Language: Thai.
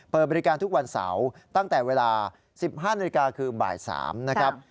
เปิดบริการทุกวันเสาร์ตั้งแต่เวลา๑๕นาฬิกาคือบ่าย๓นะครับ